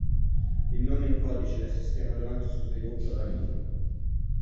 Il nome in codice del sistema durante il suo sviluppo era Nitro.